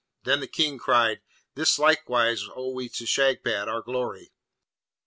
Then the King cried, 'This likewise owe we to Shagpat, our glory!